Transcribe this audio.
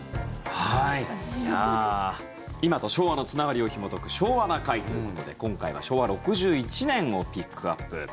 今と昭和のつながりをひもとく「昭和な会」ということで今回は昭和６１年をピックアップ。